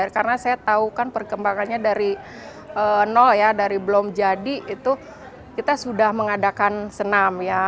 karena saya tahu kan perkembangannya dari nol ya dari belum jadi itu kita sudah mengadakan senam ya